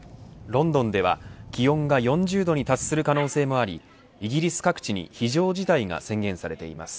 ロンドンでは気温が４０度に達する可能性もありイギリス各地に非常事態が宣言されています。